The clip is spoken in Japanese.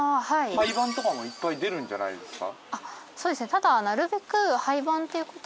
廃盤とかもいっぱい出るんじゃないですか？